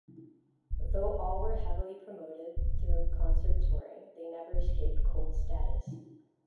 Though all were heavily promoted through concert touring, they never escaped cult status.